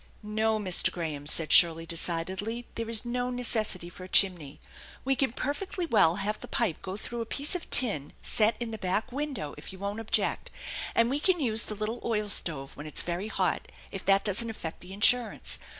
" No, Mr. Graham," said Shirley decidedly. " There is no necessity for a chimney. We can perfectly well have the pipe go through a piece of tin set in the back window if you won't object, and we can use the little oil stove when if s very hot if that doesn't affect the insurance.